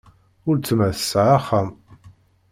Uletma tesɛa axxam.